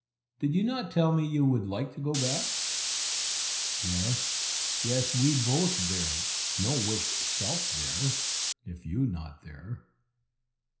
"Did you not tell me you would like to go back?" "Yes, yes, we both there; no wish self there, if you not there!"